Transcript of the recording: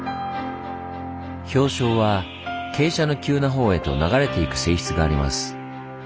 氷床は傾斜の急なほうへと流れていく性質があります。